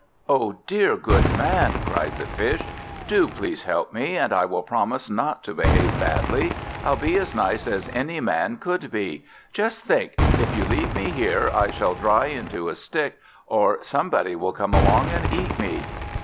"O dear good Man!" cried the Fish, "do please help me, and I will promise not to behave badly; I'll be as nice as any man could be. Just think! if you leave me here, I shall dry into a stick, or somebody will come along and eat me."